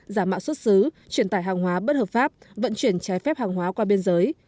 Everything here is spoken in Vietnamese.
giả mạo xuất xứ chuyển tải hàng hóa bất hợp pháp vận chuyển trái phép hàng hóa qua biên giới